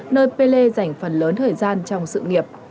nơi pelle dành phần lớn thời gian trong sự nghiệp